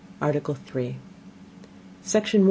ARTICLE THREE Section 1.